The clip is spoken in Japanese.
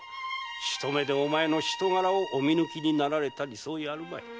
一目でお前の人柄をお見抜きになられたに相違あるまい。